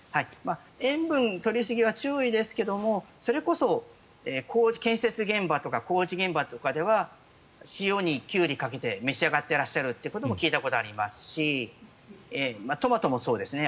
塩分の取りすぎには注意ですがそれこそ建設現場とか工事現場とかでは塩をキュウリにかけて召し上がっていらっしゃるということも聞いたことがありますしトマトもそうですね。